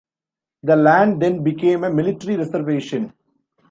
The land then became a military reservation.